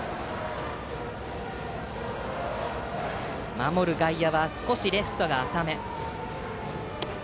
守る外野は少しレフトが浅め。